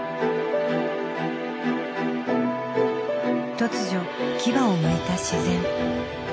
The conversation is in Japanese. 突如牙をむいた自然。